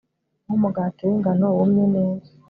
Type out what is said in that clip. nkumugati wingano wumye neza